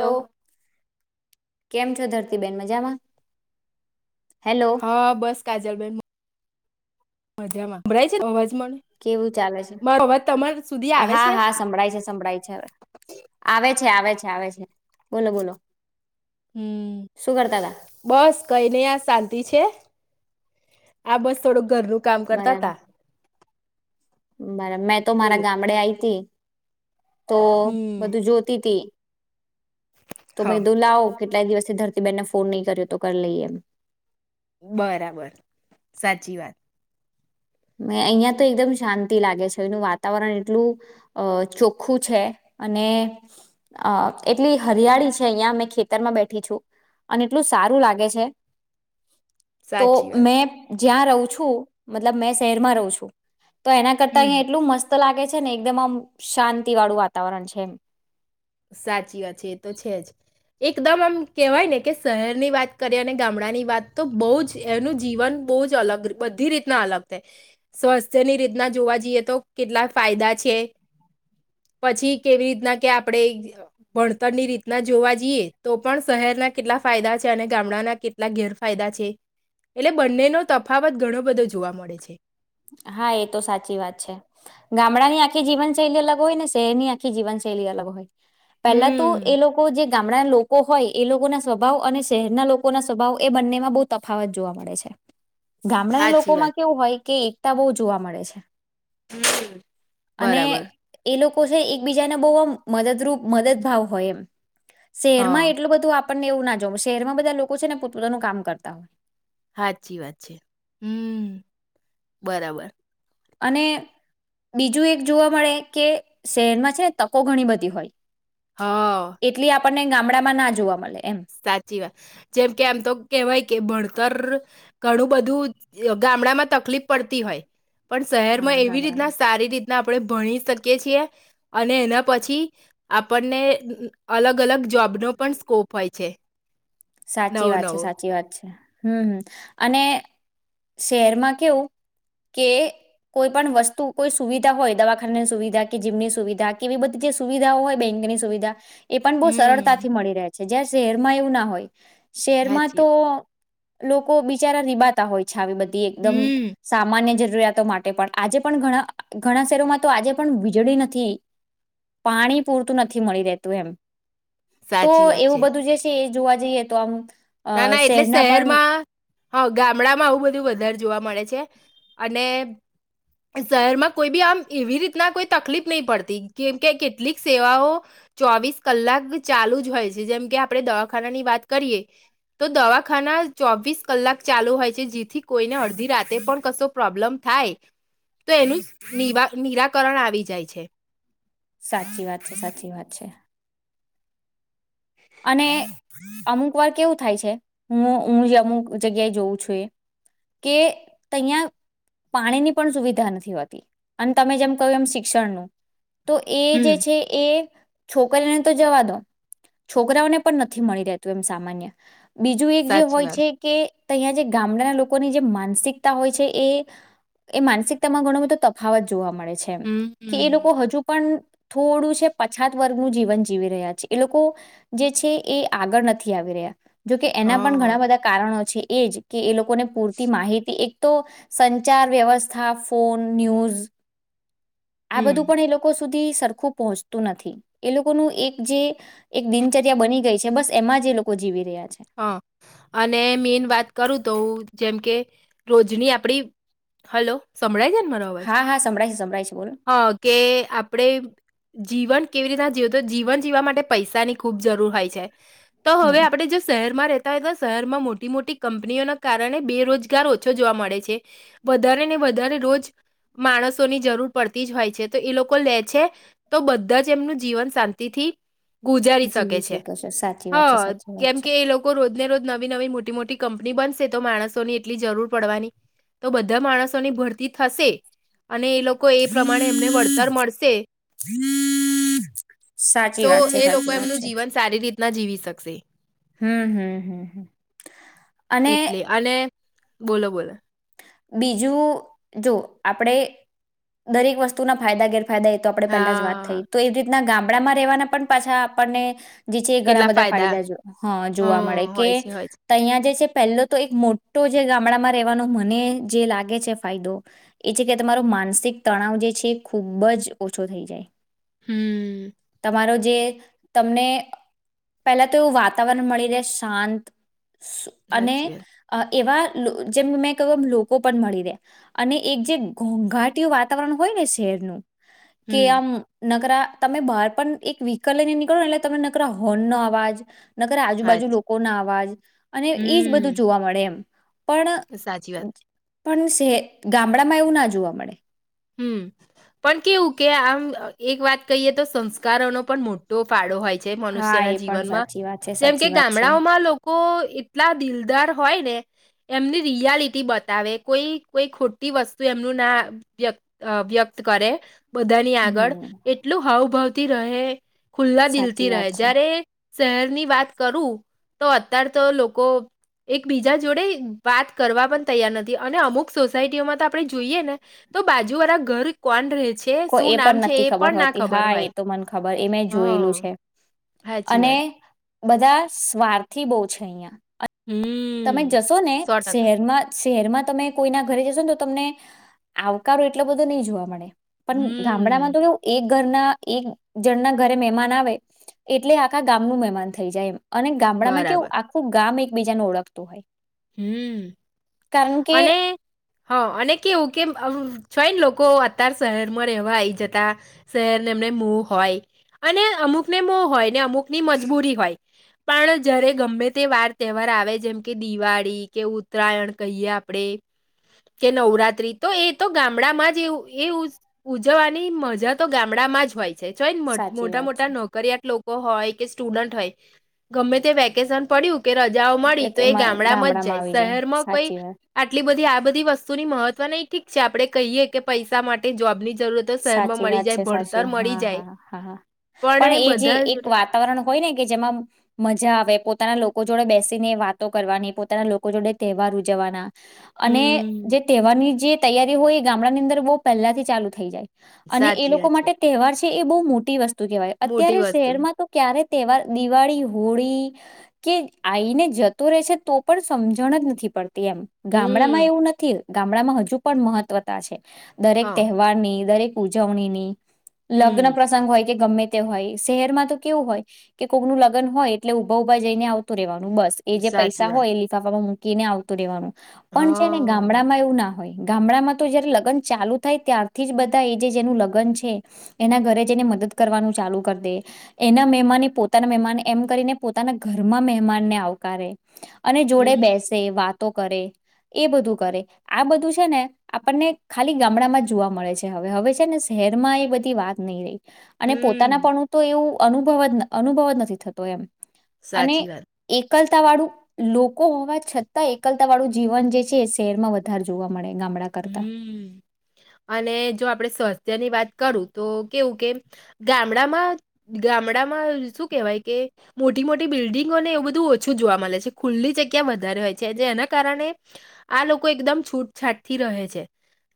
હોઉ કેમ છો ધરતીબેન મજામાં? હેલો હા બસ કાજલબેન મ મજામાં [inaudible] કેવું ચાલે છે, મારો અવાજ તમારા સુધી આવે હા છે હા સંભળાય છે સંભળાય છે હવે આવે આવે છે, આવે છે બોલો, બોલો હમ્મ શું કરતા તા બસ કઈ નઈ આ શાંતિ છે. આ બસ થોડુંક ઘરનું કામ કરતા તા. બરાબ મેં તો મારા બોલો ગામડે આઈ તી. તો હમ બધું જોતી તી. તોમે હા દુ લાવ કેટલાય દિવસથી ધરતીબેનને ફોન નહીં કર્યો તો કરી લઈએ એમ. બરાબર સાચી વાત. મે અહિયાં તો એકદમ શાંતિ લાગે છે, એનું વાતાવરણ એટલું અ ચોખ્ખું છે અને અ એટલી હરિયાળી છે અહિયાયા મે ખેતરમાં બેઠી છું, અને એટલું સારું લાગે છે. તો સાચી વાત મેં જ્યાં રહું છું મતલબ મે સ શહેરમાં રહું છું. તો એના કરતા હમ અહીંયા એટલું મસ્ત લાગે છે ને એકદમ આમ શાંતિ વાળું વાતાવરણ છે એમ સાચી વાત છે, એ તો છે જ એકદમ આમ કહેવાય ને કે શહેરની વાત કરીએ અને ગામડાની વાત તો બહુ જ એનું જીવન બહુ જ અલગ બધી રીતના અલગ થાય, સ્વાસ્થ્યની રીતના જોવા જઈએ તો કેટલા ફાયદા છે, પછી કેવી રીતના કે આપણે ભણતરની રીતના જોવા જઈએ તો પણ શહેરના કેટલા ફાયદા છે, અને ગામડાના કેટલા ગેરફાયદા છે, એટલે બંનેનો તફાવત ઘણો બધો જોવા મળે છે હા એ તો સાચી વાત છે ગામડા ની આખી જીવનશૈલી અલગ હોય ને શહેરની આખી જીવનશૈલી અલગ હોય પેલા તો હમ એ લોકો જે ગામડાના લોકો હોય એ લોકો ના સ્વભાવ અને શહેરના લોકો ના સ્વભાવ એ બંનેમાં બહુ તફાવત જોવા મળે છે ગામડાના સાચી લોકોમાં વાત કેવું હોય કે એકતા બહુ જોવા મળે છે અને બરાબર એ લોકો છે એકબીજાને બહુ મદદરૂપ મદદ ભાવ હોય એમ શહેરમાં હા. એટલું બધું આપ આપને એવું ના જોવ શહેરમાં બધા લોકો છે ને પોતપોતાનું કામ કરતા હોય હાચી વાત છે, હમ બરાબર અને બીજું એક જોવા મળે કે શહેરમાં છે, ને તકો ઘણી બધી હોય હા એટલી આપણને ગામડામાં ના જોવા મલે સાચી વાત જેમ કે આમ તો કેહેવાય કે ભણતર ઘણું બધું ગામડા માં તકલીફ પડતી હોય પણ હા શહેરમાં એવી રીતના ગામડામાં સારી રીત ના આપણે ભણી શકીએ છીએ, અને એના પછી આપણને અલગ-અલગ જોબનો પણ સ્કોપ હોય છે. સાચી નવો વાત છે નવો સાચી વાત છે. હમ્મ હમ્મ અને શહેરમાં કેવું કે કોઈ પણ વસ્તુ કોઈ સુવિધા હોય, દવાખાનાની સુવિધા, કે જીમની સુવિધા કેવી બધી જે સુવિધાઓ હોય બેંકની સુવિધા એ પણ બહુ હમ સરળતાથી મળી રહે છે જ્યાં શહેરમાં એવું ના હોય. શેરમાં સાચી તો લોકો બિચારા રિભાતા હોય છે આવી બ એકદમ હમ સામાન્ય જે જરૂરિયાતો માટે પણ આજે પણ ઘણા-ઘણા શહેરોમાં તો આજે પણ વીજળી નથી, પાણી પૂરતું નથી મળી રહેતું એમ. તો સાચી વાત છે એવું બધું જે છે એ જોવા જઈએ તો એમ ના, ના એટલે શહેરમાં હા, ગામડામાં આવું બધું વધારે જોવા મળે છે, અને શહેરમાં કોઈ બી આમ એવી રીતના કોઈ તકલીફ નહી પડતી, કેમકે કેટલીક સેવાઓ ચોવીસ કલાક ચાલુ જ હોય છે, જેમ કે આપણે દવાખાનાની વાત કરીએ તો દવાખાના ચોવીસ કલાક ચાલુ હોય છે, જેથી કોઈને અડધી રાતે પણ કશો પ્રોબ્લમ થાય તો એનું નિરાકરણ આવી જાય છે સાચી વાત છે, સાચી વાત છે અને અમુક વાર કેવું થાય છે હું, હું અમુક જગ્યાએ જોઉં છું એ કે અહીંયા પાણીની પણ સુવિધા નથી હોતી અને તમે જેમ કહ્યું એમ શિક્ષણનું તો એ જે હમ છે, એ છોકરીઓને તો જવા દો છોકરાઓને પણ નથી મળી રહેતું એમ સામાન્ય બીજું એક જે સાચી હોય વાત છે, કે તો અહીં જે ગામડાના લોકોની જે માનસિકતા હોય છે, એ, એ માનસિકતામાં ઘણો બધો તફાવત જોવા મળે છે કે, એ હમ લોકો હજુ પણ થોડું છે પછાત વર્ગનું જીવન જીવી રહ્યા છે એ લોકો જે છે એ આગળ નથી આવી રહ્યા જોકે એના પણ હા ઘણા બધા કારણો છે એજ કે એ લોકોને પૂરતી માહિતી, એક તો સંચાર, વ્યવસ્થા, ફોન, ન્યૂઝ આ હમ બધું પણ એ લોકો સુધી સરખું પહોંચતું નથી એ લોકોનું એક જે એક દિનચર્યા બની ગઈ છે, બસ એમાં જ એ લોકો જીવી રહ્યા છે હા. અને મેન વાત કરું તો હું જેમ કે રોજની આપડી, હલો સંભળાય છે ને? મારો અવાજ? હા હા સંભળાય છે સંભળાય છે બોલો હા કે આપડે જીવન કેવી રીતના જીવું, તો જીવન જીવવા માટે પૈસાની ખુબ જરૂર હોય છે. તો હવે હમ આપડે જે શહેરમાં રહેતા હોય તો શહેરમાં મોટી-મોટી કંપનીઓના કારણે બેરોજગાર ઓછો જોવા મળે છે. વધારે ને વધારે રોજ માણસોની જરૂર પડતી જ હોય છે, તો એ લોકો લે છે, તો બધા જ એમનું જીવન શાંતિથી ગુજારી શકે જીવી છે સાચી વાત છે હા. સાચી વાત કેમ છે કે એ લોકો રોજને રોજ નવી-નવી મોટી-મોટી કંપની બનશે તો માણસોની એટલી જરૂર પડવાની, તો બધા માણસોની ભરતી થશે. અને એ લોકો એ પ્રમાણે એમને વળતર મળશે, સાચી તો વાત છે એ લોકો સાચી વાત એમનું જીવન સારી રીતના જીવી શ શકશે. હમ્મ-હમ્મ-હમ્મ-હમ્મ. અને બોલો-બોલો. બીજું જો આપણે દરેક વસ્તુના ફાયદા ગેર ફાયદા તો ઈ આપણે પહેલા જ વાત થઈ હા તો એવી રીતના ગામ ગામડામાં રહેવાના પણ પાછા આપણને જે છે એ ઘણા બધા ફાયદા જોવા, હા જોવા મળે, હં કે હોય છે હોય છે તહીંયા જે છે પહેલો તો એક મોટો જે ગામડામાં રહેવાનો મને જે લાગે છે ફાયદો એ છે કે તમારો માનસિક તણાવ જે છે એ ખૂબ જ ઓછો થઈ જાય. હમ્મ. તમારો જે તમને પેલા તો એવું વાતાવરણ મળી રહે શાંત અને સાચી વાત અ એવા લ જેમ મેં કયું લો કો પણ મળી રહે, અને એક જે ઘોઘાટીયું વાતાવરણ હોય ને શહેરનું કે હમ આમ નગરા તમે બહાર પણ એક વેહિકલ લઈને નીકળો ને એટલે તમે નકરા હોર્ન નો અવાજ નકરા હાચ આજુબાજુ લોકો ના અવાજ અને એજ બધું હમ જોવા મળે એમ. પણ સાચી વાત પણ શે ગામડામાં એવું ના જોવા મળે. હમ્મ પણ કેવું કે આમ એક વાત કહીએ તો સંસ્કારોનો પણ મોટો ફાળો હોય હા મનુષ્યના એ પણ જીવનમાં, સાચી વાત છે જેમ કે સાચી વાત છે ગામડાઓમાં લોકો એટલા દિલદાર હોય ને એમની રિયાલિટી બતાવે કોઈ કોઈ ખોટી વસ્તુ એમનું ના વ્યક્ત વ્યક્ત કરે બધાની આગળ હમ એટલું હાવભાવ રહે. ખુલ્લા સાચી દિલથી વાત રહે છે જયારે શહેર ની વાત કરું તો અતાર તો લોકો એકબીજા જોડે વાત કરવા પણ તૈયાર નથી અને અમુક સોસાયટીઓમાં તો આપણે જોઈએ ને તો બાજુ વાળા ઘર કોણ રહે છે કો એ શું નામ પણ છે નથી એ ખબર પણ ના હોતી ખબર હા એ હોય તો મને ખબર એ મેં જોયેલું હ છે સાચી અને વાત બધા સ્વાર્થી બહુ છે અહીંયાં. તમે હમ જશો ને સો ટકા શહેરમાં શહેરમાં તમે કોઈના ઘરે જશો ને તો તમને આવકારો એટલો બધો નહીં જોવા મળે. પણ ગામડામાં હમ તો કેવું એક ઘરના એક જણ ના ઘરે મહેમાન આવે એટલે આખા ગામનું મહેમાન થઈ જાય એમ. અને ગામડામાં કેવું બરાબર આખું ગામ એક બીજાને ઓળખ તોય. હમ્મ કે અને હા અને કેવું કેઅમ ચોય ને લોકો અત્યાર શહેરમાં રહેવા આઈ જતા શહેરને એમને મો હોય અને અમુકને મો હોય ને અમુક ની મજબૂરી હોય પણ જયારે ગમે તે વાર તહેવાર આવે જેમ કે દિવાળી કે ઉતરાયણ કહીએ આપણેે કે નવરાત્રી તો એ તો ગામડામાં જ એ ઉજવવાની મજા તો ગામડામાં જ હોય. છે. ચોય ન સાચી મોટા વાત મોટા છે. નોકરિયાત લોકો હોય કે સ્ટુડન્ટ હોય ગમે તે વેકેશન પડ્યું કે રજાઓ મળી તો એ એમાં ગામડામાં જ આવી જાય શહેરમાં કોઈ સાચી વાત આટલી બધી આ બધી વસ્તુ ની મહત્વ નહીં ઠીક છે આપણે કહીએ કે પૈસા માટે જોબની જરૂરત તો શહેરમાં સાચી મળી વાત જાય છે સાચી ભણતર મળી હા જાય હા હા પણ એ જે એક વાતાવરણ હોય ને કે જેમાં મજા આવે પોતાના લો લોકો જોડે બેસીને વાતો કરવાની પોતાના લોકો જોડે તહેવાર ઉજવવાના અને હમ જે તહેવારની જે તૈયારી હોય એ ગામડાની અંદર વો પહેલા થી ચાલુ થઈ જાય. અને એ સાચી લોકો વાત છે માટે તહેવાર છે. એ બહુ મોટી વસ્ કેવાય, મોટી અત્યારે વસ્તુ શહેરમાં તો ક્યારે તહેવાર દિવાળી, હોળી કે આવીઈને જતો રહે છે તો પણ સમજણ જ નથી પડતી. એમ, ગામડા માં હમ એવું નથી. ગામડામાં હજુ પણ મહત્વતા છે. દરેક હા તહેવારની, દરેક ઉજવણીની લગ્ન હમ પ્રસંગ હોય ગમે તે હોય શહેર માં તો કેવું હોય કે કોઈક નું લગન હોય એટલે ઉભા ઉભા જઈને આવતું રહેેવાનું. બસ એ જે સાચી પૈસા વાત હોય એ લિફાવમાં મૂકી મૂકીને આવતું રહેવાનું. પણ છેને હા ગામડામાં એવું ના હોય. ગામડામાં તો જયારે લગન ચાલુ થાય ત્યારથી જ બધા એ જે જેનું લગ્ન છે એના ઘરે જેને મદદ કરવાનું ચાલુ કરી દે એના મહેમાન એ પોતાના મહેમાન એમ કરીને પોતાના ઘરમાં મહેમાનને આવકારે. અને હમ જોડે બેસે વાત કરે એ બધું કરે, આ બધું છે ને આપણને ખાલી ગામડામાં જ જોવા મળે છે. હવે હવે છે ને શહેરમાં એ બધી વાત નહી રહી. અને પોતાના હમ્મ પણું તો એવું અનુભવ જ અનુભવ જ નથી થતો એમ અને સાચી વાત. એકલતા વાળું લોકો હોવા છતાં એકલતા વાળું જીવન જે છે. એ શહેરમાં વધારે જોવા મળે. ગામડા કરતા હમ્મ અને જો આપડણે સ્વાસ્થ્ય ની વાત કરું તો કેવું કે ગામડામાં, ગામડામાં શું કેહેવાય કે મોટી મોટી થી રહે છે.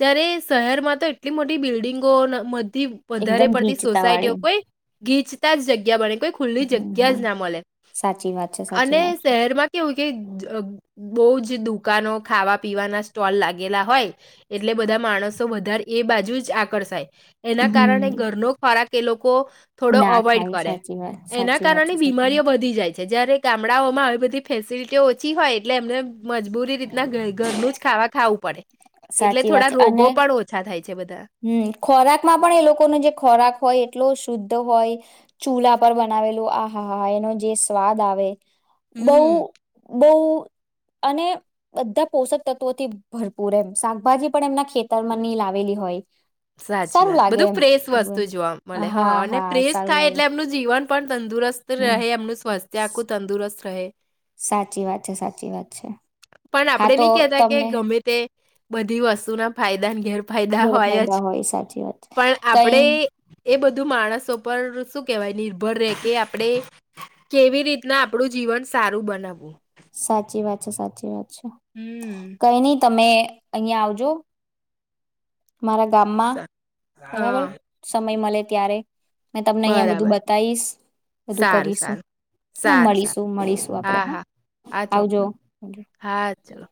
જ્યારે શહેરમાં તો એટલી મોટી બિલ્ડિંગો થી વધારે એકદમ પડતી ગીચતા સોસાયટીઓ વાળી કોઈ ગીચ તા જગ્યા બને તે ખુલ્લી જગ્યા જ હમ ના મલે. સાચી વાત છે સાચી અને વાત શહેરમાં કેવું કે જ અમ્મ અમ્મ બહુજ દુકાનો ખાવા પીવાના સ્ટોલ લાગ ગેલા હોય એટલે બધા માણસો વધાર એ બાજુ જ આકર્ષાય એના કારણે હમ ઘરનો ખોરાક એ લોકો થોડો ના અવોઈડ ખાય કરે. સાચી વાત એના સાચી વાત છે કારણે સાચી બીમારીઓ વાત બધી જાએ છે. જ્યારે ગામડાઓમાં આવી બધી ફેસિલિટીઓ ઓછી હોય એટલે એમને મજબૂરી રીતના ઘર-ઘરનું જ ખાવા ખાવું પડે. એટલે સાચી વાત થોડા છે. અને રોગો પણ ઓછા થાય છે બધા હમ્મ ખોરાકમાં પણ એ લોકોનો જે ખોરાક હોય એટલો શુદ્ધ તો હોય ચૂલા પર બનાવેલું આહા હા હા એનો જે સ્વાદ આવે બહુ હમ બહુ અને બધા પોષક તત્વોથી ભર પૂરમ શાકભાજી પણ એમના ખેતર માં નહીં લાવેલી હોય. સાચી સારું વાત લાગે બધું એમ ફ્રેશ વસ્તુ જોવા મલે. હા અને પ્રેસ થાય એટલે એમનું જીવન પણ તંદુરસ્ત રહે હમ એમનું સ્વાસ્થ્ય આખું તંદુરસ્ત રહે. સાચી વાત છે સાચી વાત છે પણ હા આપણે તો નહી કહેતા કે તમને ગમે તે બધી વસ્તુના ફાયદાને ઘેર ફાયદા હોય જ. ગેરફાયદા સાચી વાત છે. પણ કઈ આપડે એ બધું માણસો પર શું કહેવાયની ઉભર ર કે આપણે કેવી રીતના આપડું જીવન સારું બનાવવું? સાચી વાત છે. સાચી વાત હમ્મ. કઈ નહી તમે અહિયાં આવજો મારા ગામમાં, સા બરાબર હા, સમય મળે ત્યારે મે તમને અહંયા બધું બરાબર. બતાવીશ બધું સારું, કરીશું સારું. સારું, સારું. મળીશું મળીશું આપણેે હા. હા, આવજો ચોક્કસ હા ચાલો.